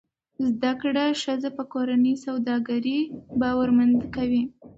زده کړه ښځه په کورني سوداګرۍ باورمند کوي.